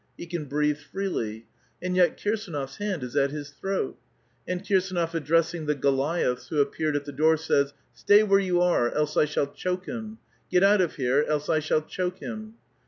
He can breathe freely ; and yet Kirsdnof's hand is at his throat. And KirsAnof addressing the Goiiaths who appeared at the door, says: " Stay where you are, else I shall choke him I Get out of here, else I shall choke him!"